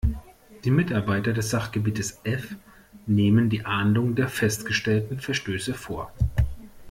Die Mitarbeiter des Sachgebiets F nehmen die Ahndung der festgestellten Verstöße vor.